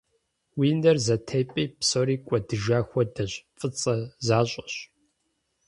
Уи нэр зэтепӀи псори кӀуэдыжа хуэдэщ, фӀыцӀэ защӀэщ.